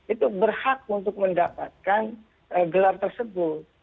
itu berhak untuk mendapatkan gelar tersebut